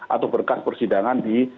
atau berkas persidangan di